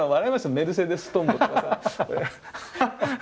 「メルセデストンボ」とかさ。